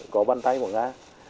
có bàn tay của nga